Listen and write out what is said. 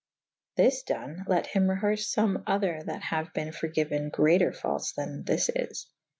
This done / let hym reherse fome other that haue be forgyuen greater fautes then this is.